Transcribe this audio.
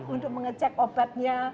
untuk mengecek obatnya